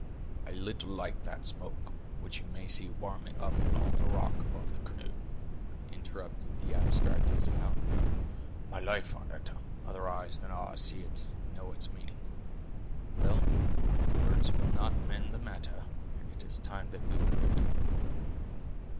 "I little like that smoke, which you may see worming up along the rock above the canoe," interrupted the abstracted scout. "My life on it, other eyes than ours see it, and know its meaning. Well, words will not mend the matter, and it is time that we were doing."